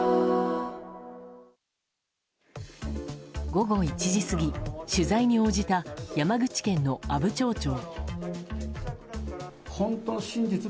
午後１時過ぎ、取材に応じた山口県の阿武町長。